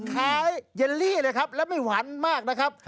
คล้ายเยลลี่เลยครับแล้วไม่หวานมากนะครับ